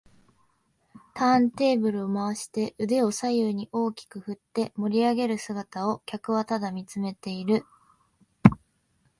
ターンテーブル回して腕を左右に大きく振って盛りあげる姿を客はただ見つめている